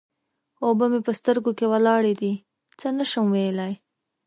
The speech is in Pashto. اوبه مې په سترګو کې ولاړې دې؛ څه نه شم ويلای.